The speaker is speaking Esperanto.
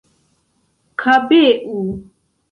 kabeu